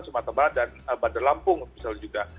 sumatera barat dan bandar lampung misalnya juga